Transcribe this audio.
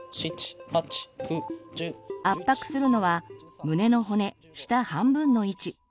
圧迫するのは胸の骨下半分の位置。